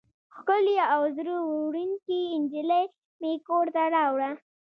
ښکلې او زړه وړونکې نجلۍ مې کور ته راوړه.